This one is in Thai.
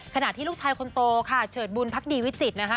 ขณะที่ลูกชายคนโตค่ะเฉิดบุญพักดีวิจิตรนะคะ